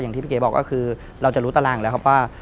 ที่พี่เก๋บอกก็คือเราจะรู้ตารางแล้วครับว่า